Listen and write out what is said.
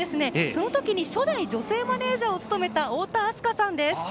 その時に初代女性マネージャーを務めた、おおたあすかさんです。